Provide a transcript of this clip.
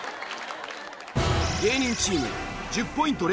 芸人チーム１０ポイント